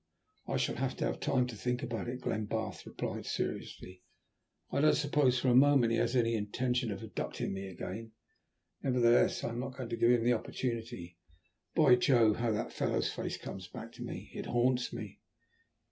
"I shall have to take time to think about it," Glenbarth replied seriously. "I don't suppose for a moment he has any intention of abducting me again; nevertheless, I am not going to give him the opportunity. By Jove, how that fellow's face comes back to me. It haunts me!"